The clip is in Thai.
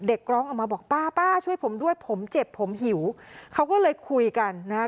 ร้องออกมาบอกป้าป้าช่วยผมด้วยผมเจ็บผมหิวเขาก็เลยคุยกันนะฮะ